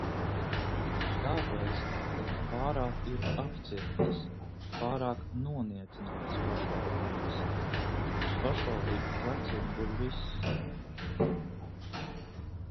"Tāpēc, ka pārāk ir "apcirptas", pārāk noniecinātas pašvaldības, uz pašvaldību pleciem guļ viss."